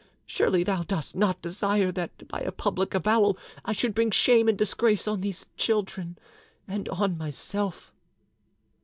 Surely thou dost not desire that by a public avowal I should bring shame and disgrace on these children and on myself."